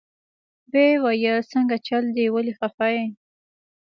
ويې ويل سنګه چل دې ولې خفه يې.